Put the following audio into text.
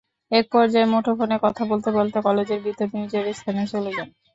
একপর্যায়ে মুঠোফোনে কথা বলতে বলতে কলেজের ভেতর নির্জন স্থানে চলে যান।